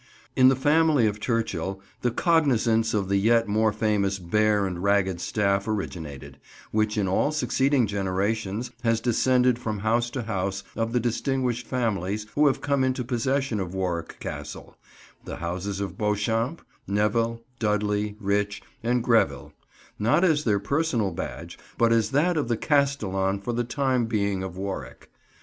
In the family of Turchil the cognisance of the yet more famous Bear and Ragged Staff originated, which in all succeeding generations has descended from house to house of the distinguished families who have come into possession of Warwick Castle: the Houses of Beauchamp, Neville, Dudley, Rich, and Greville: not as their personal badge, but as that of the castellan for the time being of Warwick.